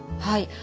はい。